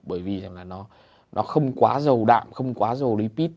bởi vì nó không quá dầu đạm không quá dầu lý pít